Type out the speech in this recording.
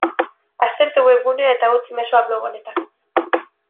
Aztertu webgunea eta utzi mezua blog honetan.